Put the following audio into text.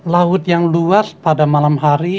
laut yang luas pada malam hari